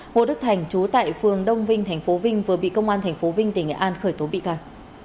ngô đức thành chú tại phường đông vinh tp vinh vừa bị công an tp vinh tỉnh nghệ an khởi tố bị can